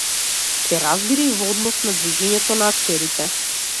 Се разбира, и во однос на движењето на актерите.